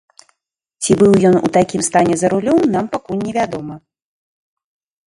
Ці быў ён у такім стане за рулём, нам пакуль не вядома.